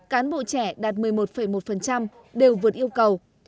cán bộ trẻ đạt một mươi một một đều vượt yêu cầu